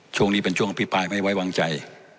ช่วงนี้เป็นช่วงอภิปรายไม่ไว้วางใจ